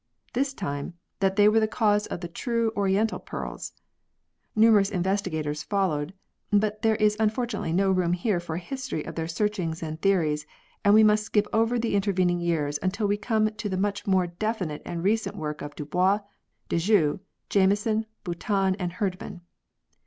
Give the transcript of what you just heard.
This time that they were the cause of the true oriental pearls. Numerous investigators followed, but there is un fortunately no room here for a history of their searchings and theories, and we must skip over the intervening years until we come to the much more definite and recent work of Dubois, Diguet, Jameson, Boutan and Herdman.